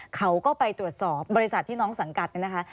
เขาก็ไปตรวจสอบบริษัทที่น้องสังกัดเนี่ยนะคะ